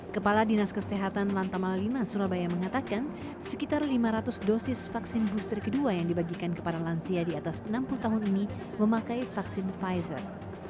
kepala dinas kesehatan lantama v surabaya mengatakan sekitar lima ratus dosis vaksin booster kedua yang dibagikan kepada lansia di atas enam puluh tahun ini memakai vaksin pfizer